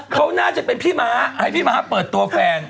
เขาน่าจะเป็นพี่ม้าให้พี่ม้าเปิดตัวแฟน